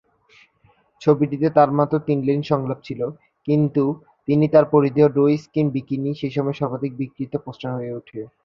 ছবিটিতে তার মাত্র তিন লাইন সংলাপ ছিল, কিন্তু তিনি তার পরিধেয় ডো-স্কিন বিকিনি সে সময়ে সর্বাধিক বিক্রিত পোস্টার হয়ে ওঠে।